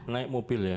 naik mobil ya